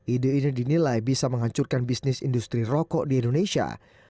ide ini dinilai bisa menghancurkan bisnis industri rokok di indonesia